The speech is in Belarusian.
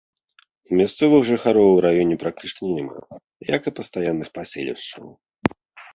Мясцовых жыхароў у раёне практычна няма, як і пастаянных паселішчаў.